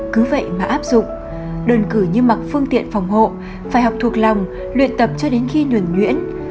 cứ vậy mà áp dụng đơn cử như mặc phương tiện phòng hộ phải học thuộc lòng luyện tập cho đến khi nhuẩn nhuyễn